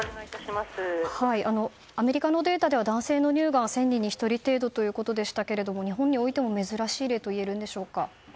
アメリカのデータでは男性の乳がんが１０００人に１人程度ということでしたけど日本においても珍しい例といえるんでしょうか。